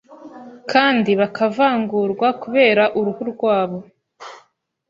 kandi bakavangurwa kubera uruhu rwabo.